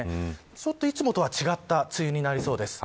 ちょっと、いつもとは違った梅雨になりそうです。